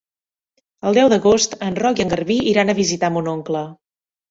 El deu d'agost en Roc i en Garbí iran a visitar mon oncle.